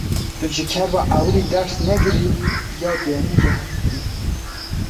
Tu ji derba ewilî ders negirî, ya duyemîn jî heq dikî.